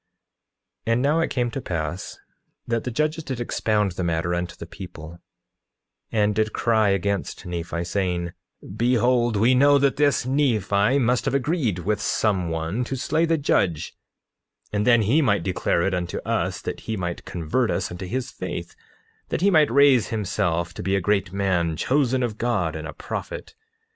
9:16 And now it came to pass that the judges did expound the matter unto the people, and did cry out against Nephi, saying: Behold, we know that this Nephi must have agreed with some one to slay the judge, and then he might declare it unto us, that he might convert us unto his faith, that he might raise himself to be a great man, chosen of God, and a prophet.